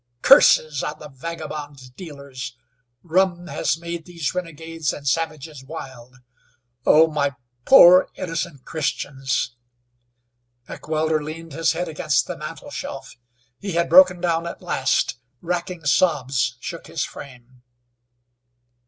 Curses on the vagabond dealers! Rum has made these renegades and savages wild. Oh! my poor, innocent Christians!" Heckewelder leaned his head against the mantle shelf. He had broken down at last. Racking sobs shook his frame.